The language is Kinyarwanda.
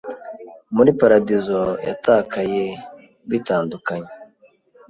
muri paradizo yatakaye. Bitandukanye